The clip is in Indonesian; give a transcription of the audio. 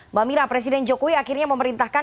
mbak mira presiden jokowi akhirnya memerintahkan